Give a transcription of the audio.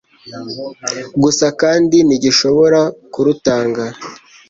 gusa kandi ntigishobora kurutanga